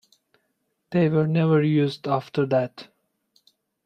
They were never used after that.